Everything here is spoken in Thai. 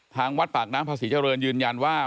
ทางวัดปากน้ำภาษีเจริญยืนยันว่า